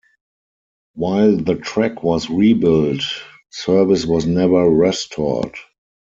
While the track was rebuilt, service was never restored.